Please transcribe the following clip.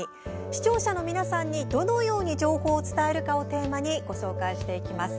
視聴者の皆さんにどのように情報を伝えるかをテーマにご紹介していきます。